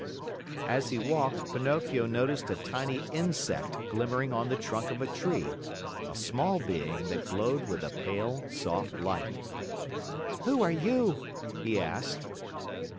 ..?" As he walked, Pinocchio noticed a tiny insect glimmering on the trunk of a tree, a small being that glowed with a pale, soft light. "Who are you?" he asked.